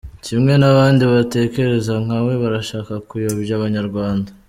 Kimwe n’abandi batekereza nka we barashaka kuyobya Abanyarwanda.